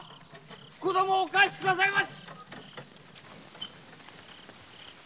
子供をお返し下さいまし！